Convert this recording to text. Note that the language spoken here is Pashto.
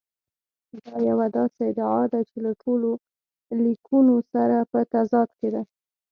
دا یوه داسې ادعا ده چې له ټولو لیکونو سره په تضاد کې ده.